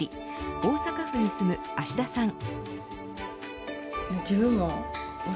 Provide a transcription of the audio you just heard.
大阪府に住む芦田さん。